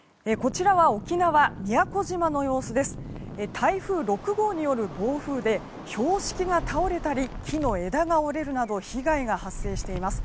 台風６号による暴風で標識が倒れたり木の枝が折れるなど被害が発生しています。